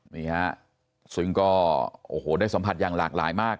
นี่ฮะซึ่งก็โอ้โหได้สัมผัสอย่างหลากหลายมาก